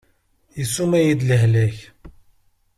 Isuma-yi-d lehlak.